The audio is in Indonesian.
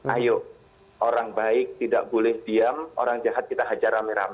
ayo orang baik tidak boleh diam orang jahat kita hajar rame rame